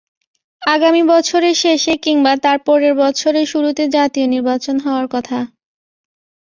আগামী বছরের শেষে কিংবা তার পরের বছরের শুরুতে জাতীয় নির্বাচন হওয়ার কথা।